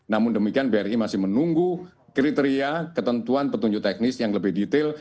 namun demikian bri masih menunggu kriteria ketentuan petunjuk teknis yang lebih detail